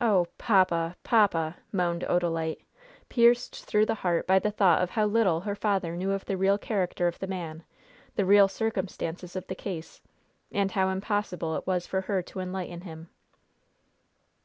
"Oh, papa, papa!" moaned Odalite, pierced through the heart by the thought of how little her father knew of the real character of the man, the real circumstances of the case, and how impossible it was for her to enlighten him.